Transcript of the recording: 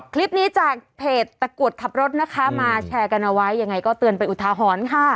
คลิปนี้จากเพจตะกรวดขับรถนะคะมาแชร์กันเอาไว้ยังไงก็เตือนไปอุทาหรณ์ค่ะ